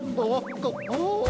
ああ。